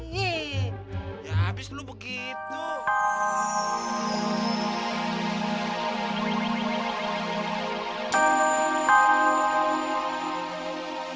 masya allah kebangetan banget sih lu jadi laki laki